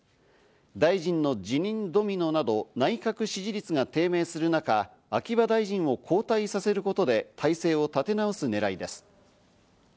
大臣の辞任ドミノなど内閣支持率が低迷する中、秋葉大臣を交代させることで体制を立て直す狙いです。